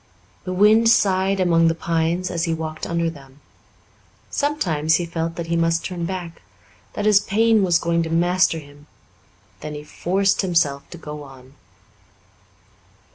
The wind sighed among the pines as he walked under them. Sometimes he felt that he must turn back that his pain was going to master him; then he forced himself to go on.